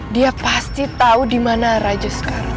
dia pasti tau dimana raja sekarang